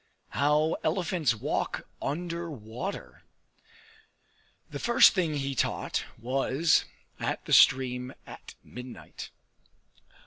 How Elephants Walk under Water The first thing he taught was at the stream at midnight.